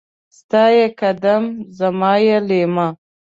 ستا يې قدم ، زما يې ليمه.